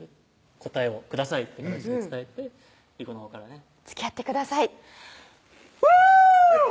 「答えをください」っていう形で伝えて理子のほうからね「つきあってください」「フォー‼」